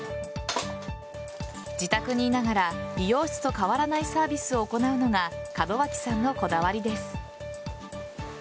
自宅にいながら美容室と変わらないサービスを行うのが門脇さんのこだわりです。